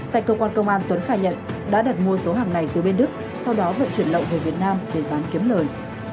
tại cơ quan công an tuấn khai nhận đã đặt mua số hàng này từ bên đức sau đó vận chuyển lậu về việt nam để bán kiếm lời